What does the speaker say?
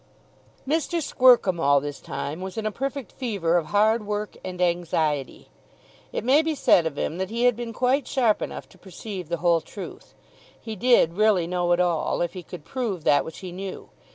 Mr. Squercum all this time was in a perfect fever of hard work and anxiety. It may be said of him that he had been quite sharp enough to perceive the whole truth. He did really know it all, if he could prove that which he knew.